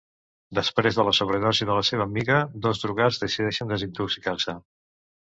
Després de la sobredosi de la seva amiga, dos drogats decideixen desintoxicar-se.